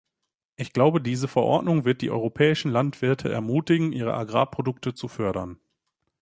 Ich glaube, diese Verordnung wird die europäischen Landwirte ermutigen, ihre Agrarprodukte zu fördern.